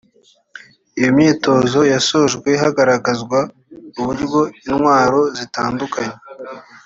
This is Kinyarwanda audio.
Iyo myitozo yasojwe hagaragazwa uburyo intwaro zitandukanye